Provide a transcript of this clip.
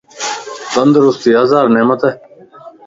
تندرستي ھزار نعمت ا